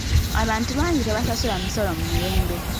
Abantu bangi tebasasula misolo mu mirembe.